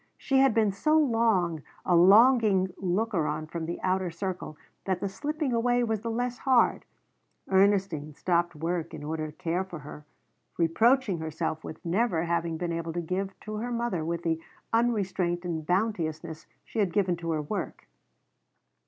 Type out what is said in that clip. She had been so long a longing looker on from the outer circle that the slipping away was the less hard. Ernestine stopped work in order to care for her, reproaching herself with never having been able to give to her mother with the unrestraint and bounteousness she had given to her work.